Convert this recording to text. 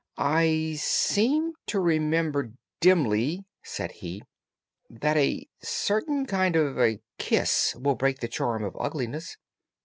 "I seem to remember, dimly," said he, "that a certain kind of a kiss will break the charm of ugliness."